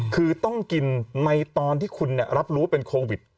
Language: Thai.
คือต้องกินในตอนที่คุณรับรู้ว่าเป็นโควิด